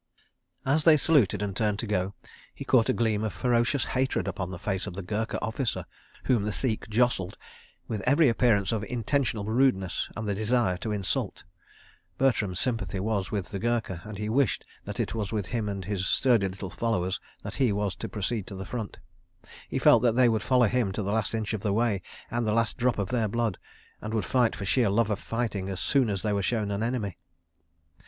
As they saluted and turned to go, he caught a gleam of ferocious hatred upon the face of the Gurkha officer whom the Sikh jostled, with every appearance of intentional rudeness and the desire to insult. Bertram's sympathy was with the Gurkha and he wished that it was with him and his sturdy little followers that he was to proceed to the front. He felt that they would follow him to the last inch of the way and the last drop of their blood, and would fight for sheer love of fighting, as soon as they were shown an enemy.